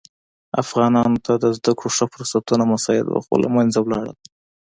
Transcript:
افغانانو ته د زده کړو ښه فرصتونه مساعد وه خو له منځه ولاړل.